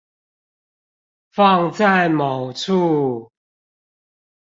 放在某處